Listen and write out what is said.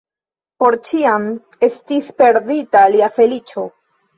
Por ĉiam estis perdita lia feliĉo.